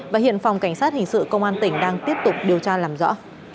và hiện phòng cảnh sát hình sự công an tỉnh đang tiếp tục điều tra làm rõ